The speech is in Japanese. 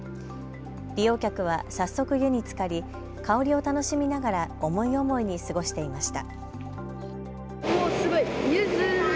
利用客は早速、湯につかり香りを楽しみながら思い思いに過ごしていました。